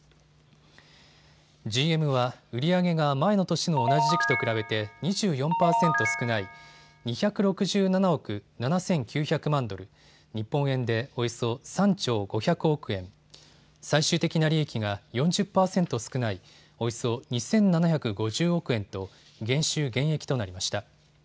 ＧＭは売り上げが前の年の同じ時期と比べて２４％少ない２６７億７９００万ドル、日本円でおよそ３兆５００億円、最終的な利益が４０％少ないおよそ２７５０億円と減収減益となりました。